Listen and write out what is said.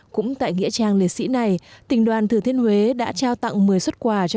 cũng tại nghĩa trang liệt sĩ này tỉnh đoàn thừa thiên huế đã trao tặng một mươi xuất quà cho